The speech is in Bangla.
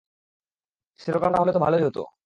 সেরকমটা হলে তো ভালোই হতো।